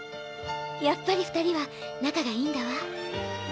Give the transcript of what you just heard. やっぱり二人は仲が良いんだわ